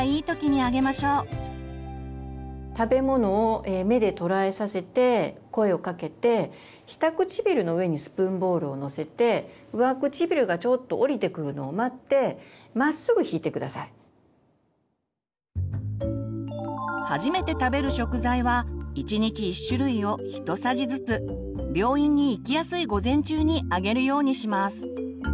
食べ物を目で捉えさせて声をかけて下唇の上にスプーンボールをのせて初めて食べる食材は１日１種類をひとさじずつ病院に行きやすい午前中にあげるようにします。